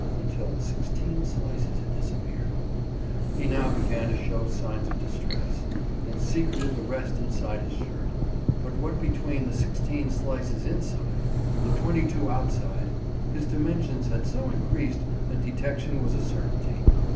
until sixteen slices had disappeared. He now began to show signs of distress, and secreted the rest inside his shirt; but what between the sixteen slices inside and the twenty two outside, his dimensions had so increased that detection was a certainty.